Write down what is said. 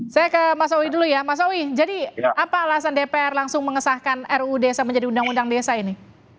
saya ke mas owi dulu ya mas owi jadi apa alasan dpr langsung mengesahkan ruu desa menjadi undang undang desa ini